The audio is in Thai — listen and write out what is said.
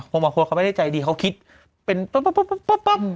โพลของเขาไม่ได้ใจดีเขาคิดเป็นปั๊บ